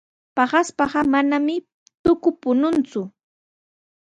Paqaspaqa manami tuku puñunku.